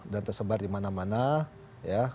dan tersebar dimana mana ya